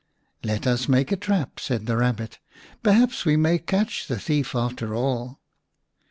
"Let us make a trap," said the Kabbit. " Perhaps we may catch the thief after all."